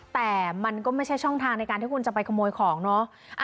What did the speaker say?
แต่มันก็ไม่ใช่ช่องทางในการที่คุณจะไปขโมยของเนอะ